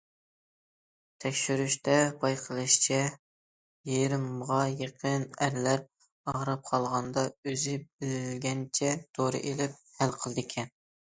تەكشۈرۈشتە بايقىلىشىچە، يېرىمغا يېقىن ئەرلەر ئاغرىپ قالغاندا ئۆزى بىلگەنچە دورا ئېلىپ ھەل قىلىدىكەن.